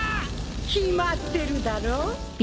決まってるだろう。